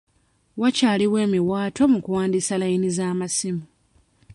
Wakyaliwo emiwaatwa mu kuwandiisa layini z'amasimu.